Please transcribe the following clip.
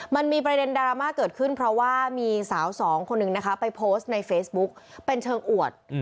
มันมีประเด็นดราม่าเกิดขึ้นเพราะว่ามีสาวสองคนหนึ่งนะคะไปโพสต์ในเฟซบุ๊กเป็นเชิงอวด